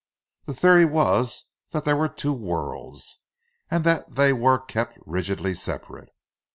The theory was that there were two worlds, and that they were kept rigidly separate.